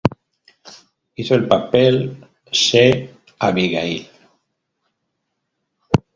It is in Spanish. Hizo el papel se Abigail.